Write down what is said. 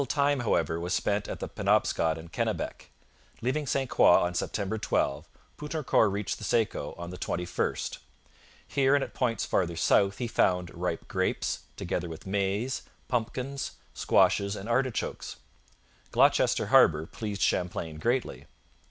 Little time, however, was spent at the Penobscot and Kennebec. Leaving St Croix on September 12, Poutrincourt reached the Saco on the 21st. Here and at points farther south he found ripe grapes, together with maize, pumpkins, squashes, and artichokes. Gloucester Harbour pleased Champlain greatly.